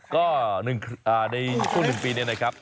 ก็ในช่วงหนึ่งปีนี้นะครับ